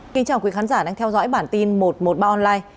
chào mừng quý vị đến với bản tin một trăm một mươi ba online